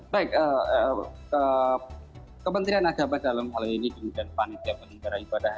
baik kementerian agama dalam hal ini kemudian panitia penyelenggara ibadah